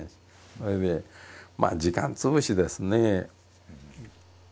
それでまあ時間つぶしですね。